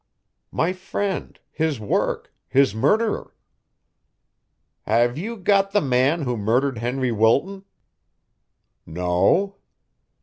"My friend his work his murderer." "Have you got the man who murdered Henry Wilton?" "No."